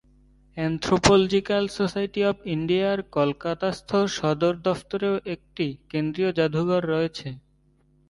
Anthropological society of ইন্ডিয়ার কলকাতাস্থ সদর দফতরেও একটি কেন্দ্রীয় জাদুঘর রয়েছে।